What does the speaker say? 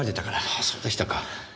ああそうでしたか。